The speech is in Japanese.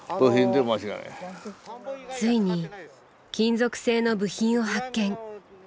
ついに金属製の部品を発見。